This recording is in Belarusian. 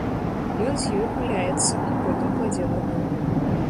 Ён з ёй гуляецца, а потым кладзе на дно.